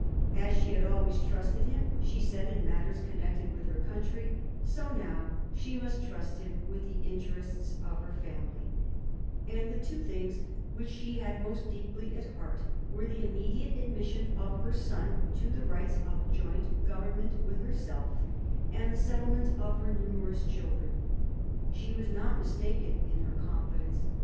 As she had always trusted him, she said, in matters connected with her country, so now she must trust him with the interests of her family; and the two things which she had most deeply at heart were the immediate admission of her son to the rights of joint government with herself, and the settlement of her numerous children. She was not mistaken in her confidence.